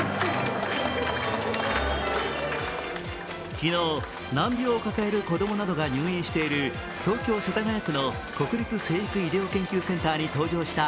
昨日、難病を抱える子供などが入院している東京・世田谷区の国立成育医療研究センターに登場した